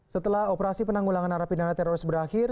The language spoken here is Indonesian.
setelah operasi penanggulangan narapidana teroris berakhir